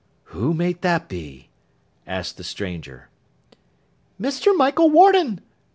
'Who may that be?' asked the stranger. 'Mr. Michael Warden!